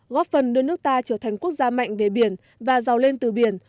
góp phần đưa nước ta trở thành quốc gia mạnh về biển và giàu lên từ biển